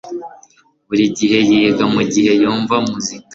Buri gihe yiga mugihe yumva umuziki